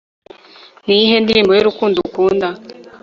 niyihe ndirimbo y'urukundo ukunda